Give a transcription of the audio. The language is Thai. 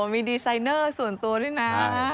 มีดีไซเนอร์ส่วนตัวด้วยนะ